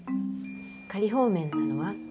仮放免なのは？